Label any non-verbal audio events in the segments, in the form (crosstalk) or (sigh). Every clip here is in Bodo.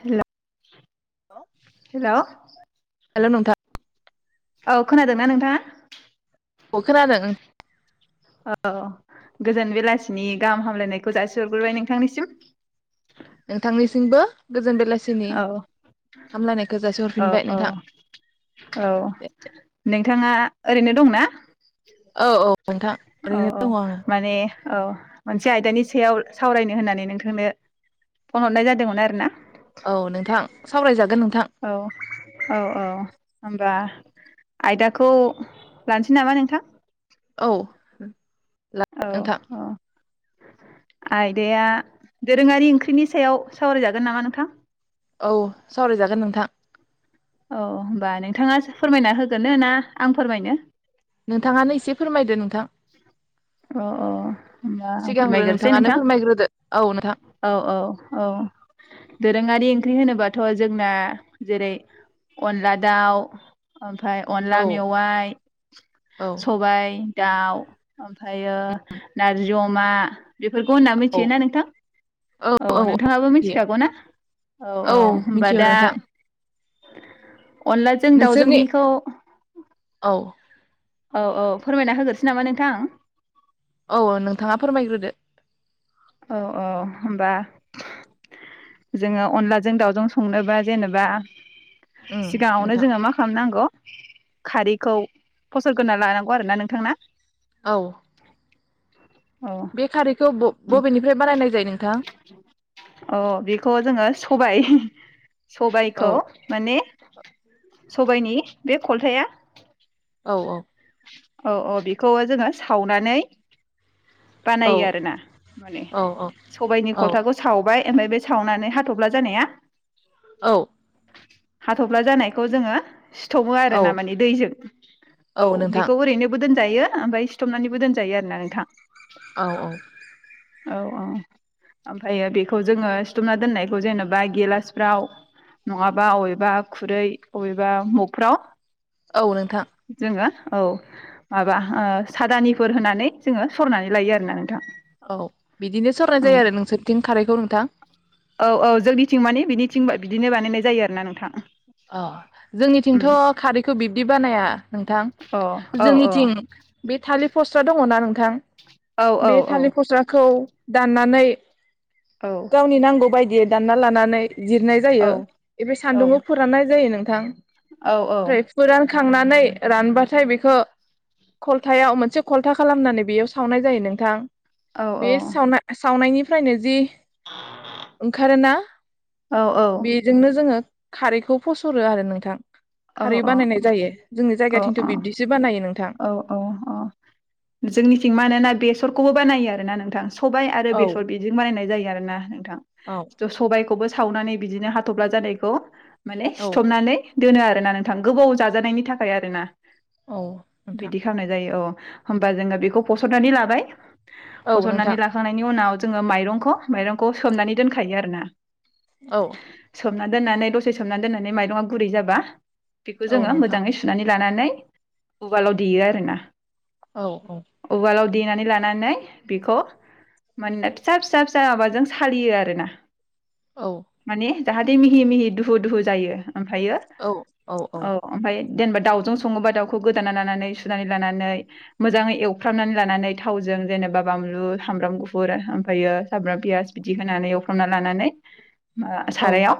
हेल' हेल' हेल नोंथां औ खोनादोंना नोंथाङा अ खोनादों औ गोजोन बेलासिनि गाहाम हामलायनायखौ जासिहरग्रोबाय नोंथांनिसिम नोंथांनिसिमबो गोजोन बेलासिनि औ हामलायनायखौ औ जासिहरफिनबाय औ नोंथां औ दे नोंथाङा ओरैनो दंना औ औ नोंथां औ ओरैनो औ दङ आङो माने औ मोनसे आयदानि सायाव सावरायनो होननानै नोंथांनो फन हरनाय जादोंमोन आरो ना औ नोंथां सावरायजागोन नों औ औ औ। होमबा आयदाखौ लानोसै नामा नोंथां। औ। औ नोंथां औ। आयदाया दोरोङारि ओंख्रिनि सायाव सावरायजागोन नामा नोंथां? औ सावरायजागोन नोंथां। औ होमबा नोंथाङा फोरमायना होगोननो ना आं फोरमायनो? नोंथाङानो एसे फोरमायदो नोंथां। होमबा आं सिगांग्रो फोरमायग्रोनिसै नोंथाङानो नोंथां। फोरमायग्रोदो औ नोंथां दोरोङारि ओंख्रि होनोबाथ' जोंना जेरै अनला दाउ ओमफ्राय औ अनला मेवाइ औ सबाय दाउ ओमफ्रायो नारजि अमा बेफोरखौ होनना औ मिथियोना नोंथां औ नोंथाङाबो मिथिखागौ ना औ औ होनबा मिथियो दा नोंथां अनलाजों नोंसोरनि दाउजोंनिखौ औ औ औ फोरमायना होग्रोसै नामा नोंथां। औ नोंथाङा फोरमायग्रोदो। औ औ होमबा जोङो अनलाजों दावजों संनोबा जेनेबा उम सिगाङावनो नोंथां जोङो मा खालामनांगौ खारैखौ फसलग्रोना लानांगौ आरो ना नोंथांना। औ। (inaudible) बे खारैखौ ब-बबेनिफ्राय बानायनायजायो नोंथां? औ बेखौ जोङो सबाइ। औ सबायाइखौ माने सबाइनि बे खल्थाया औ औ। औ औ बेखौ जोङो सावनानै औ बानायो आरोना माने औ औ सबायनि खलथाखौ सावबाय एमफाय बे सावनानै हाथफ्ला जानाया औ। हाथफ्ला जानायखौ जोङो सिथबो औ आरोना माने दैजों औ बेखौ ओरैनोबो दोन जायो ओमफाय सिथबनानैबो दोनजायो आरोना नोंथां। औ औ। औ औ ओमफायो बेखौजोङो सिथबना दोननायखौजोङो जेनेबा गेलासफ्राव नङाबा अबेबा खुरै अबेबा मगफ्राव। औ नोंथां। जोङो औ माबा ओह सादानिफोर होनानै जोङो। सरनानै लायो आरोना नोंथां। औ बिदिनो सरनाय उम जायोआरो नोंसोरथिं खारैखौ नोंथां। औ औ जोंनिथिं माने बिनिथिं बिदिनो बानायनाय जायो आरोना नोंथां। अह जोंनिथिंथ उम खारैखौ बिबदि बानाया। नोंथां अ औ जोंनिथिं बे थालिफ फसथ दङना नोंथां। औ औ बे औ थालिर फस्लाखौ दाननानै औ गावनि नांगौ बायदियै दानना लानानै जिरनायजायो औ ओय बे औ सान्दुंङाव नायजायो नोंथां। औ औ। खांनानै रानबाथाय बेखो खलथायाव मोनसे खलथा खालामनानै बेयाव सावनायजायो नोंथां। बे सावना सावनायनि फ्रायनोजि ओंखारोना बेजोंनो जोङो खारैखौ फसरोआरो नोंथां। खारै बानायनाय जायो जोंनि जायगाथिंथ बिब्दिसो बानायो नोंङो औ औ अ जोंनिथिं मानोना बेसरखौबो बानायो खोनादों ना नोंथां। सबाय आरो औ बेसर बिजों बानायनाय जायो आरो ना औ नोंथां सबाइ खौबो सावनानै बिदिनो हाथब्ला जानायखौ माने औ सिथबनानै दोनो आरो ना नोंथां गोबाव जाजानायनि थाखाय आरो ना। औ। नोंथां बिदि खालामनाय जायो औ। होमबा जोङो बेखौ फसरनानै लाबाय औ नोंथां फसरनानै लाखांनायनि उनाव जोङो माइरंखौ माइरंखौ सोमनानै दोनखायो आरोना औ सोमना दोननानै दसे सोमनानै दोन्नानै माइरङा गुरै जाबा बेखौ औ जोङो नोंथां मोजाङै सुनानै लानानै उवालाव देयो आरो ना। औ औ देनानै लानानै बेखौ मानेना फिसा फिसा माबा जों सालियो आरोना औ माने जाहाथे मिहि मिहि दुहु दुहु जायो ओमफायो औ ओमफाय देनबा दावजों सङोबा दावखौ गोद दाना लानानै सुनानै लानानै मोजाङै एवफ्रामनानै लानानै थावजों जेनेबा बानलु सामब्राम गुफुर ओमफायो सामब्राम पियास बिदि होनानै एवफ्रामना लानानै मा औ सारायाव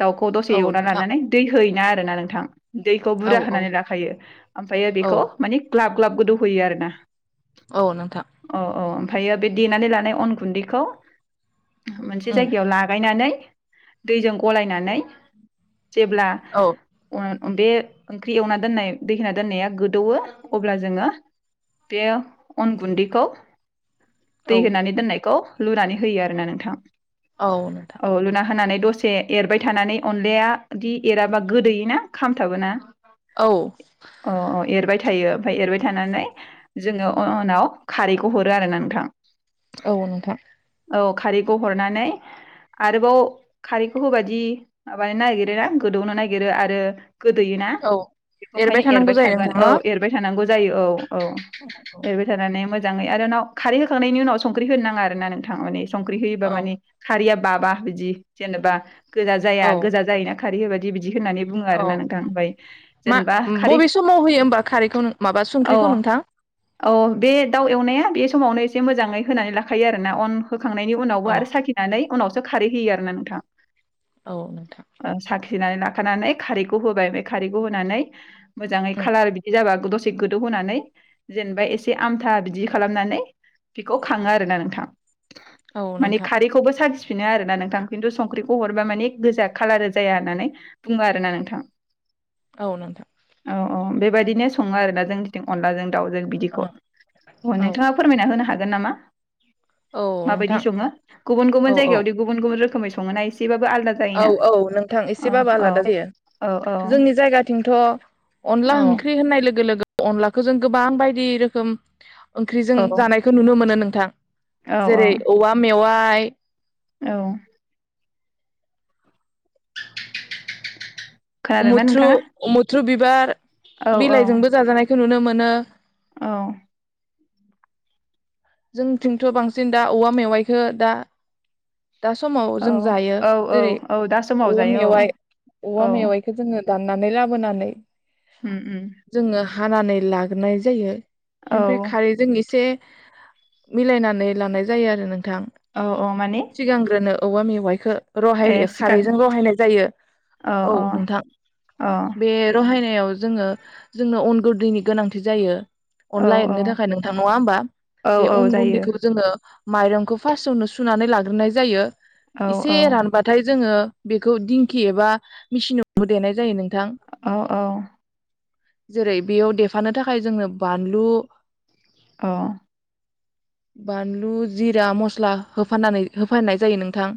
दाउखौ दसे औ एवना नोंथां लानानै दै थैना आरोना नोंथां दैखौ औ बुरजा औ होनानै लाखायो ओमफायो औ बेखौ मानि ग्लाब ग्लाब गोदौहैयो आरो ना औ नोंथां ओमफायो बे देनानै लानाय अन गुन्दैखौ मोनसे उम जायगायाव लागायनानै दैजों गलायनानै जेब्ला औ ओम बे ओंख्रि एवना दोननाय दै होना दोननाया दौवो अब्ला जोङो बे अन गुन्दैखौ दै औ होनानै दोननायखौ लुनानै होयो आरो ना नोंथां औ नोंथां होनानै दसे एरबाय थानानै अनलाया इदि एराबा गोदोयो ना खामथाबोना । औ अ अ एरबाय थायो ओमफ्राय एरबाय थानानै जोङो उनाव खारैखौ हरो आरो ना नोंथां। औ नोंथां। औ खारैखौ हरनानै आरोबाव खारैखौ होबायदि माबानो नागिर ना गोदौनो नागिरो आरो । गोदोयो ना? औ ओंखायनो थानांगौ एरबाय जायो थागोन नोंथां औ न एरबाय थान नांगौ जायो औ । औ एरबाय थानानै मोजाङै आरो नाव खारै होखांनायनि उनाव संख्रि होनो नाङा आरो ना नोंथां माने एस संख्रि होयोब औ माने खारैया माबा बिदि जेनेबा गोजा औ जाया गोजा जायो ना? खारि होबादि बिदि बिदि होननानै बुङो आरो औ ना नोंथां ओमफ्राय मा जेनेबा । बबे समाव होयो होमबा खारैखौ माबा औ संख्रिखौ नोंथां? औ बे दाउ एवनाया बे समावनो एसे मोजाङै होनानै लाखायो आरोना अन होखांनायनि उनावबो औ आरो साखिनानै उनावसो खारै होयो आरोना नोंथां । औ नोंथां। थिनानै लाखानानै खारैखौ होबाय बे खारैखौ होनानै। मोजाङै उम खालार बिदि जाबा गो दसे गोदौ होनोनानै जेनेबा एसे आमथा बिदि खालामनानै बेखौ खाङो आरोना नोंथां। औ माने नोंथां खारैखौबो साखिफिनो आरो ना नोंथां खिन्थु संख्रि हरबा माने गोजा खालार जाया होननानै बुङो आरो ना नोंथां। औ नोंथां। अ अ बेबायदिनो सङो आरो ना जोंनिथिं अनलाजों दा जों बिदिखौ, औ औ नोंथाङा फोरमायना होनो हागोन? गोन नामा? औ माबायदि नोंथां सङो गुबुन गुबुन औ औ जायगायावदि गुबुन गुबुन रोखोमै सङ संङोना इसे। औ औ नोंथां एसे बाबो औ आलादा जायो औ औ जोंनि जायगाथिंथ' । औ अनला ओंख्रि होननाय लोगो लोगो अनलाखौ जों गोबां बायदि रोखोम ओंख्रिजों जानायखौ नुनो मोनो नोंथां औ जेरै औवा मेवा । (inaudible) औ खोनादोंना उमुथ्रु नोंथाङा उमुथ्रु बिबार औ औ बिलाइजोंबो जाजानायखौ नुनो मोनो (inaudible) औ जोंथिंथ' बांसिन दा औवा मेवाइखौ दा दा समाव जों जायो औ औ औ जेरै औ दा समाव औवा जायो मेवाइ औ औवा औ मेवाइखौ जोङो दाननानै लाबोनानै उम उम जोङो हानानै लाग्रोनाय जायो औ ओमफ्राय खारैजों एसे मिलायनानै लानाय जायो आरो नोंथां औ औ माने सिगांग्रोनो औवा मेवाइखौ ए रहायनो सिगां खारैजों रहायनाय जायो औ नोंथां औ बे रहायनायाव जोङो जोंनो अन गुन्दैनि गोनांथि जायो औ अनला औ एरनो थाखाय नोंथां नङा होनबा औ बे औ अन जायो गुन्दैखौ जोङो माइरंखौ फार्स्टआवनो सुनानै लाग ग्रोनाय जायो औ एसे औ रानबाथाय जोङो बेखौ दिंखि एबा मिसिनावबो देनाय जायो नों औ औ जेरै बेयाव देफानो थाखाय जोंनो बानलु अ बानलु जिरा मस्ला होफनानै होफानाय जायो नोंथां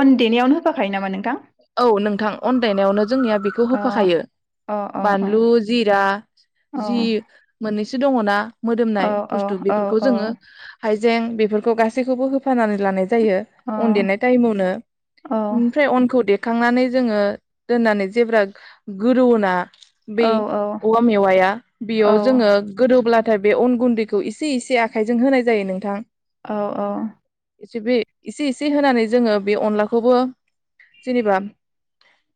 अन देनायावनो होफाखायो नामा नोंथां? औ नोंथां अन देनायावनो जोंनियाव बेखौ अ होफाखायो अ अ अ बानलु जिरा अ जि मोन एसे दङ ना मोदोमनाय औ औ बुस्थु औ बेफोरखौ औ जोङो हाइजें बेफोरखौ गासैखौबो होफानानै लानो जायो अ अन देरनाय टाइमावनो औ इनफ्राय अनखौ दे खांनानै जोङो दोननानै जेब्ला गोदौवोना बै औ औवा मेवाया बेयाव जोङो गोदोब्ला नाथाय बे अन गुन्दैखौ एसे एसे आखाइजों होनाय जायो नोंथां। औ औ एसेबो एसे इसे होनानै जोङो बे अनलाखौबो जेनेबा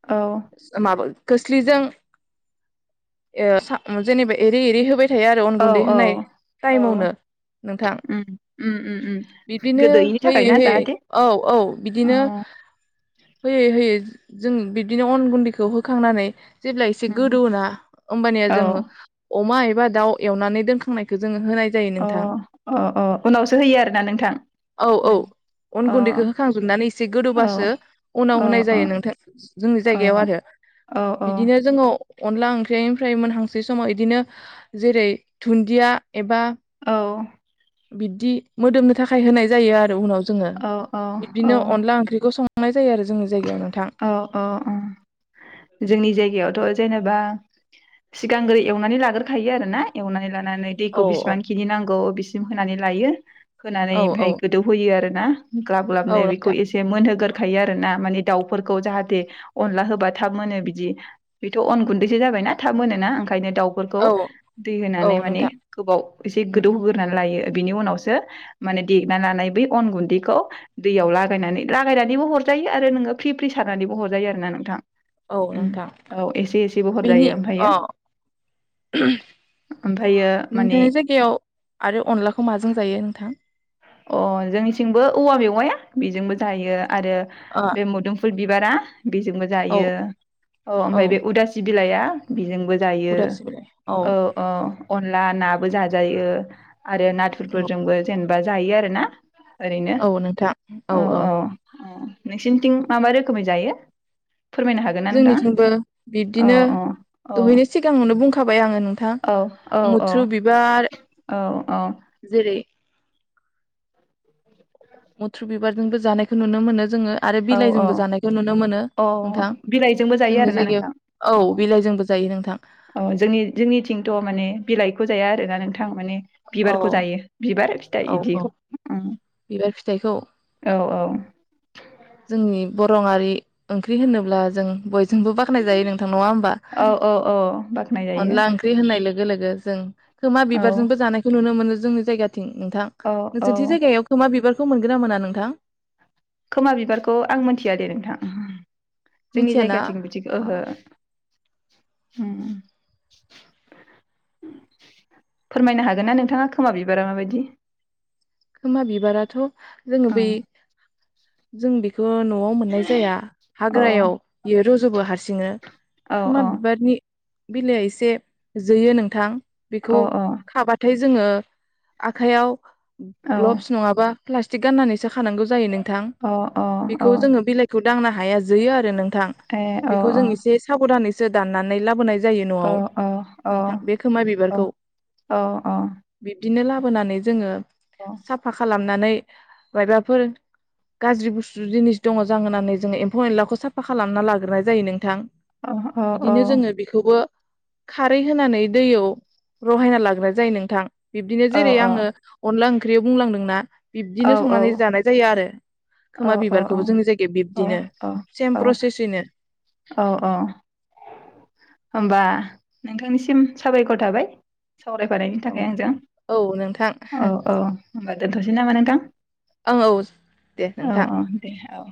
(inaudible) माबा खोस्लिजों (inaudible) जेनेबा एरै एरै होबाय थायो आरो अन औ गुन्दै होनाय औ टाइम आवनो नोंथां उम उम उम उम बिदिनो गोदोयैनि हो थाखाय होयै ना होयै जाहाथे औ औ बिदिनो औ होयै होयै। जों बिदिनो अन गुन्दैखौ होखांनानै जेब्ला एसे उम गोदौवो ना ओमबानिया औ जोङो अमा एबा दाउ एवनानै दोनखांनायखौ जोङो होनाय जायो अ नोंथां अ अ उनावसो होयो आरोना नोंथां? औ औ अन अ औ गुन्दैखौ होखांजोबनानै एसे गोदोवबासो उनाव औ अ होनाय औ जायो नोंथां जोंनि जायगायाव आरो औ औ बिदिनो जोङो अनला ओंख्रिनिफ्राय मोनहांसै समाव बिदिनो जेरै दुन्दिया औ। बिबदि मोदोमनो थाखाय होनाय जायो आरो उनाव जोङो औ बिदिनो अनला ओंख्रिखौ सं संनाय जायो आरो जोंनि जायगायाव नोंथां औ औ ओं जोंनि जायगायावथ' जेनेबा सिगांग्रो एवनानै लाग्रोखायो आरोना एवनानै ला नानै दैखौ औ औ बेसिबां खिनि नांगौ बिसि होनानै लायो। होनानै औ औ ओमफाय गोदौहोयो आरो। ना। ग्लाब औ ग्लाबनो बेखौ नोंथां एसे मोनहोगोरखायो आरो। ना मानि दाउफोरखौ जाहाथे अनला होबा थाब मोनो बिदि बेथ' अन गुन्दैसो जाबायना थाब मोन ना। ओंखायनो दाउफोरखौ औ दै औ होनानै माने नोंथां गोबाव एसे उम गोदौ होग्रानै उम लायो बिनि उनावसो खो माने देना लानाय बै अन गुन्दैखौ दैयाव लागायनानै लागायनानैबो हरजायो आरो नोङो फ्रि फ्रि सारनानैबो हरजायो आरोना नोंथां। औ उम नोंथां औ एसे एसेबो बेनि हरजायो ओमफ्रायो अ ओमफ्रायो माने नोंथांनि जायगायाव आरो अनलाखौ माजों जायो नोंथां? अ जोंनिथिंबो औवा मेवाया बेजोंबो जायो। आरो अ बे मुदुंफुल बिबारा बेजोंबो औ जायो अ औ ओमफाय बे उदासि बिलाइआ बेजोंबो जायो उदासि बिलाइ औ औ। अनला नाबो जाजायो। आरो औ नाथुरफोरजोंबो जेनेबा जायो आरो ना ओरैनो औ औ औ नोंसिनिथिं मा मा रोखोमै जायो? फोरमायनो हागोन ना नोंथाङा जोंनिथिंबो औ बिब्दिनो औ औ दहैनो सिगाङावनो बुंखां खाबाय आङो नोंथां औ औ मुथ्रु बिबार औ जेरै मुथ्रु बिबारजोंबो जानायखौ नुनो मोनो जोङो। आरो औ औ बिलाइजोंबो जानायखौ नुनो मोनो। अ नोंथां बिलाइजोंबो जायो जोंनि आरोना जायगायाव नोंथां औ बिलाइजोंबो जायो नोंथां। अ जोंनि जोंनिथिंथ माने बिलाइखौ जाया आरोना नोंथां माने औ बिबारखौ जायो बिबार फिथाइ औ औ बिदिखौ बिबार फिथाइखौ औ औ औ जोंनि बरआारि ओंख्रि होनोब्ला जों बय जोंबो बाख्नाय जायो नोंथां नङा होमबा औ औ औ बाख्नाय जायो अनला ओंख्रि होननाय लोगो लोगो जों खोमा औ बिबारजोंबो जानायखौ नुनो मोनो। जोंनि जायगा नोंथां औ औ नोंसोरथि जायगायाव खोमा बिबार खौ मोनगोन ना मोना नोंथां? खोमा बिबारखौ आं मोनथिया दे नोंथां। जोंनि मिथियाना जायगाथिं बिदि औ ओहो उम फोरमायनो हागोन ना नोंथाङा खोमा बिबारा माबायदि? खोमा बिबाराथ जोङो बै उम जों बे खौ नआव मोननाय जाया अ हाग्रायाव औ बियो रजबो हारसिं सिङो औ खोमा बिबारनि बिलइआ एसे जोयो नोंथां। बेखौ औ खाबाथाय जोंङो आखाइयाव औ ग्लब्स नंङाबा प्लास्टिक गाननानैसो खानांगौ जायो नों थां अ अ अ बेखौ जोंडो बिलाइखौ दांनो हाया जोयो आरो नों थां ए अ बेखौ अ जों एसे साबदानै सो दाननानै लाबोनाय जायो न अ आव अ नोंथां अ बे खोमा बिबारखौ अ अ बिदिनो लाबोनानै जोङो साफा खालामनानै मायबाफोर गाज्रि बुस्थु जिनिस दङ जाहोन होननानै जोङो एम्फौ एनलाखौ साफा खालामना लाग्रोनाय जायो नोंथां अ अ बिदिनो जोङो औ बेखौबो खारै होनानै दैयाव रहायना लाग्रोनाय जायो नोंथां बिब्दिनो जेरै आङो अनला ओख्रियाव बुंलांदोंना औ बिब्दिनो औ संनानै जानाय जायो आरो औ खोमा औ बिबारखौबो जोंनि जायगायाव बिब्दिनो औ सेम औ प्रसेसैनो औ औ होनबा नोंथांनिसिम साबायखर थाबाय सावरायफानायनि औ थाखाय आंजों औ नोंथां औ औ होनबा दोनथसै नामा नोंथां औ औ दे औ नोंथां औ दे औ